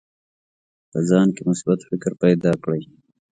په ځان کې مثبت فکر پیدا کړئ.